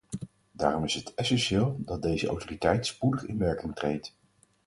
Daarom is het essentieel dat deze autoriteit spoedig in werking treedt.